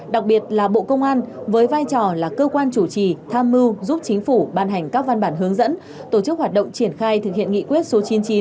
đặc biệt là bộ công an với vai trò là cơ quan chủ trì tham mưu giúp chính phủ ban hành các văn bản hướng dẫn tổ chức hoạt động triển khai thực hiện nghị quyết số chín mươi chín